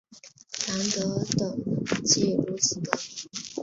南德等即如此得名。